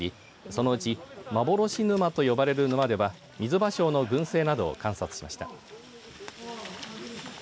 そのうち、まぼろし沼と呼ばれる沼ではミズバショウの群生などを観察しました。